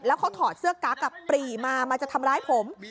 แล้วเขาถอดเสื้อกั๊กปรีมามาจะทำร้ายผม